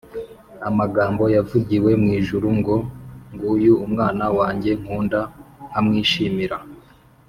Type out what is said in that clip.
Amagambo yavugiwe mw’ijuru ngo, “Nguyu Umwana wanjye nkunda nkamwishimira